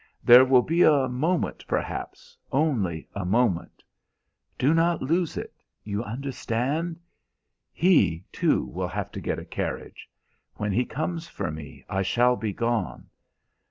There will be a moment, perhaps only a moment. Do not lose it. You understand? He, too, will have to get a carriage. When he comes for me I shall be gone.